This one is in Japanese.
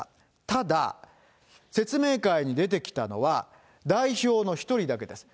ただ、説明会に出てきたのは代表の１人だけです。